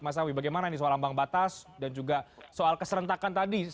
mas awi bagaimana ini soal ambang batas dan juga soal keserentakan tadi